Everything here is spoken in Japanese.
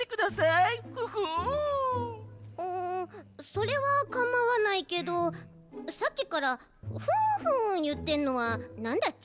それはかまわないけどさっきから「フンフン」いってるのはなんだち？